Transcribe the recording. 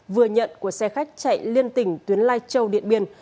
vừa nhận của xe khách chạy liên tỉnh tuyến lai châu điện biên